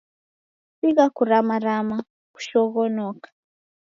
Sigha kuramarama, kushoghonoka